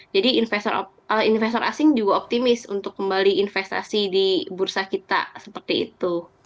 jadi investor asing juga optimis untuk kembali investasi di bursa kita seperti itu